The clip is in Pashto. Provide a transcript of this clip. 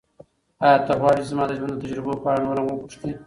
ایا ته غواړې چې زما د ژوند د تجربو په اړه نور هم وپوښتې؟